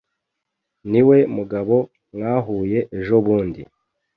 Niwe mugabo mwahuye ejobundi.